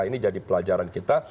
ini jadi pelajaran kita